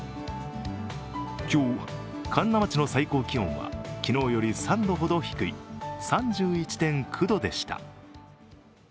今日、神流町の最高気温は昨日より３度ほど低い、３１．９度でした。